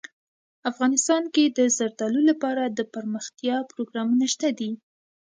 افغانستان کې د زردالو لپاره دپرمختیا پروګرامونه شته دي.